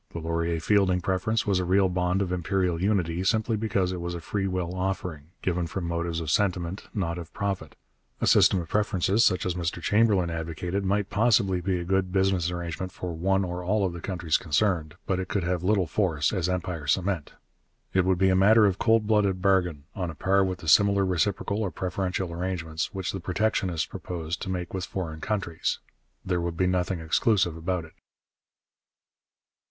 The Laurier Fielding preference was a real bond of imperial unity simply because it was a free will offering, given from motives of sentiment, not of profit. A system of preferences such as Mr Chamberlain advocated might possibly be a good business arrangement for one or all of the countries concerned, but it could have little force as empire cement. It would be a matter of cold blooded bargain, on a par with the similar reciprocal or preferential arrangements which the protectionists proposed to make with foreign countries. There would be nothing exclusive about it.